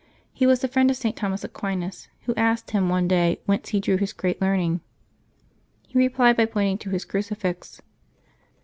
He was the friend of St. Thomas Aquinas, who asked him one day whence he drew his great learning. He replied by pointing to his crucifix.